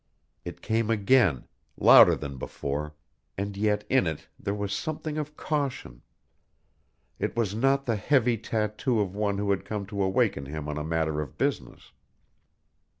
It came again, louder than before, and yet in it there was something of caution. It was not the heavy tattoo of one who had come to awaken him on a matter of business.